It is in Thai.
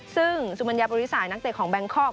ซึ่งสุมัญญาปริสายนักเตะของแบงคอก